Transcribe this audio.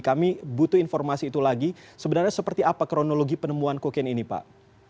kami butuh informasi itu lagi sebenarnya seperti apa kronologi penemuan kokain ini pak